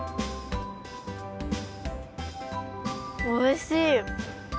おいしい！